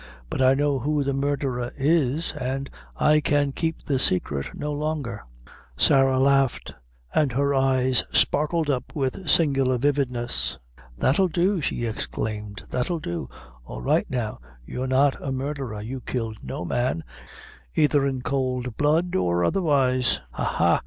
but I know who the murdherer is, an' I can keep the saicret no longer!" Sarah laughed, and her eyes sparkled up with singular vividness. "That'll do," she exclaimed; "that'll do; all's right now; you're not a murdherer, you killed no man, aither in cowld blood or otherwise; ha! ha!